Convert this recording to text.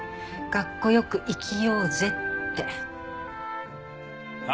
カッコよく生きようぜ！